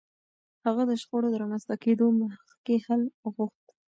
هغه د شخړو د رامنځته کېدو مخکې حل غوښت.